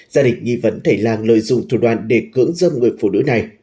gia đình nghi vấn thầy lang lợi dụng thủ đoàn để cưỡng dâm người phụ nữ này